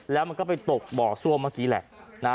แล้วมันก็ไปตกบ่อซ่วมเมื่อกี้แหละ